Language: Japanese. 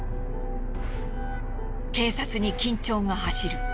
警察に緊張が走る。